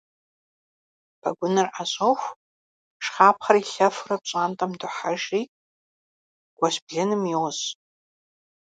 Пэгуныр ӏэщӏоху, жыхапхъэр илъэфурэ пщӏантӏэм дохьэжри гуэщ блыным йощӏ.